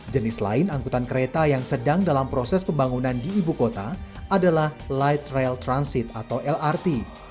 jenis lain angkutan kereta yang sedang dalam proses pembangunan di ibu kota adalah light rail transit atau lrt